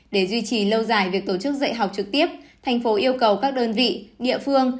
để duy trì lâu dài việc tổ chức dạy học trực tiếp thành phố yêu cầu các đơn vị địa phương